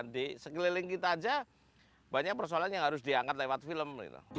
di sekeliling kita aja banyak persoalan yang harus diangkat lewat film